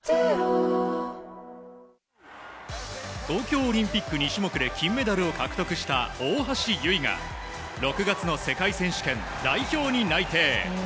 東京オリンピック２種目で金メダルを獲得した大橋悠依が６月の世界選手権代表に内定。